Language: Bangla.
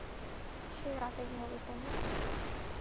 সে রাতে ঘুমাবে, তাই না?